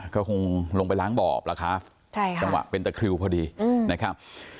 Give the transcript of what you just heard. ก็คงลงไปล้างบ่อล่ะครับจังหวะเป็นตะคริวพอดีนะครับ